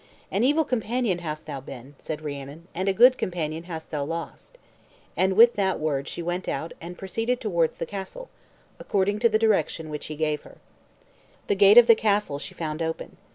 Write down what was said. "An evil companion hast thou been," said Rhiannon, "and a good companion hast thou lost." And with that word she went out, and proceeded towards the castle, according to the direction which he gave her. The gate of the castle she found open.